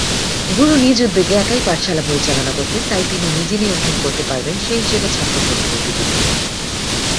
গুরু নিজ উদ্যোগে একাই পাঠশালা পরিচালনা করতেন; তাই, তিনি নিজে নিয়ন্ত্রণ করতে পারবেন সে হিসেবে ছাত্র ভর্তি হতে দিতেন।